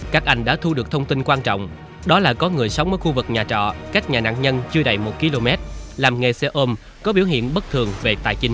các anh đã thu được thông tin quan trọng đó là có người sống ở khu vực nhà trọ cách nhà nạn nhân chưa đầy một km làm nghề xe ôm có biểu hiện bất thường về tài chính